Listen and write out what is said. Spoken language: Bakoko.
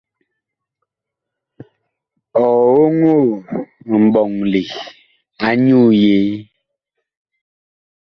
Ɔg oŋoo mɓɔŋle anyuu yee ?